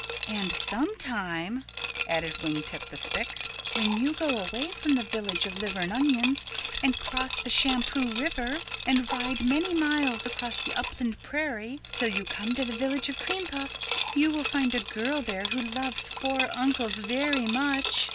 "And sometime," added Wing Tip the Spick, "when you go away from the Village of Liver and Onions and cross the Shampoo River and ride many miles across the upland prairie till you come to the Village of Cream Puffs, you will find a girl there who loves four uncles very much.